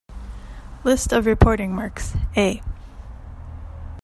List of reporting marks: A